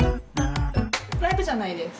ライブじゃないです。